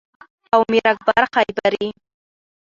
او میر اکبر خیبری